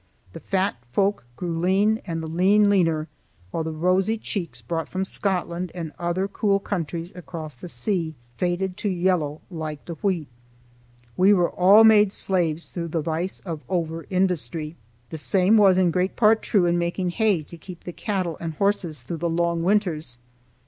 The fat folk grew lean and the lean leaner, while the rosy cheeks brought from Scotland and other cool countries across the sea faded to yellow like the wheat. We were all made slaves through the vice of over industry. The same was in great part true in making hay to keep the cattle and horses through the long winters.